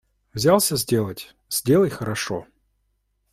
Взялся сделать – сделай хорошо.